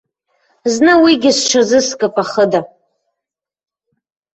Зны уигьы сҽазыскп ахыда.